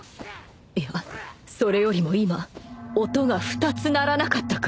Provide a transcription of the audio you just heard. いやそれよりも今音が２つ鳴らなかったか？